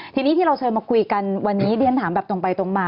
ทีนี้ที่เราเชิญมาคุยกันวันนี้เรียนถามแบบตรงไปตรงมา